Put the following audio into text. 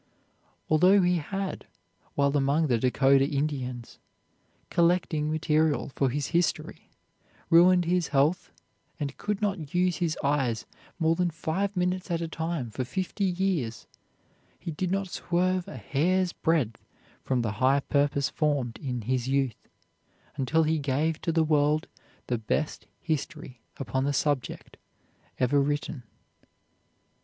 Although he had, while among the Dakota Indians, collecting material for his history, ruined his health and could not use his eyes more than five minutes at a time for fifty years, he did not swerve a hair's breadth from the high purpose formed in his youth, until he gave to the world the best history upon this subject ever written.